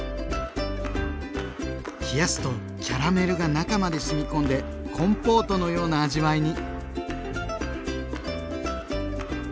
冷やすとキャラメルが中までしみ込んでコンポートのような味わいに。